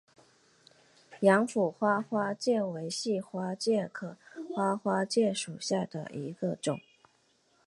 阳虎花花介为细花介科花花介属下的一个种。